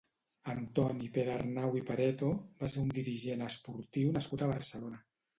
Antoni Perearnau i Pareto va ser un dirigent esportiu nascut a Barcelona.